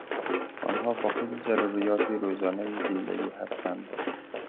آنها فاقد ضروریات روزانهی زندگی هستند.